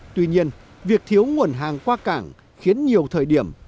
tuy nhiên việc thiếu nguồn hàng qua cảng khiến nhiều thời điểm